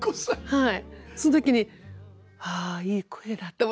はい。